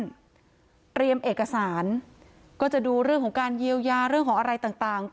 เตรียมเอกสารก็จะดูเรื่องของการเยียวยาเรื่องของอะไรต่าง